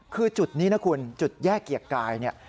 คือจุดนี้นะคุณจุดแยกเกียรติกายเนี่ย